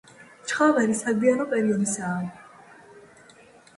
ჩხავერი საგვიანო პერიოდისაა.